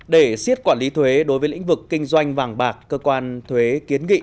để xiết quản lý thuế đối với lĩnh vực kinh doanh vàng bạc cơ quan thuế kiến nghị